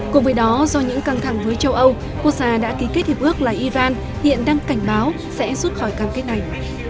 cùng với đó do những căng thẳng với châu âu quốc gia đã ký kết hiệp ước là iran hiện đang cảnh báo sẽ rút khỏi cam kết này